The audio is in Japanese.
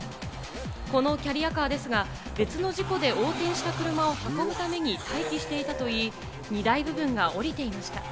このキャリアカーですが、別の事故で横転した車を運ぶために待機していたといい、荷台部分が下りていました。